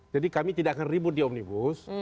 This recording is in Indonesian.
jadi kami tidak akan ribut di omnibus